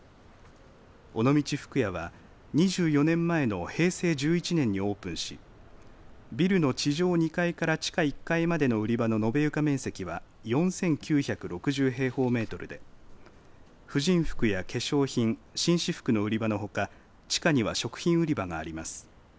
尾道福屋は２４年前の平成１１年にオープンしビルの地上２階から地下１階までの売り場の延べ床面積は４９６０平方メートルで婦人服や化粧品紳士服の売り場のほか地下には食品売り場があります。